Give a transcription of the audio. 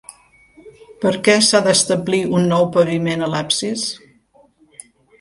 Per a què s'ha d'establir un nou paviment a l'absis?